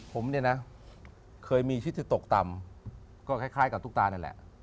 ผมเนี่ยนะเคยมีชิดที่ตกต่ำก็คล้ายกับตุ๊กตานั่นแหละ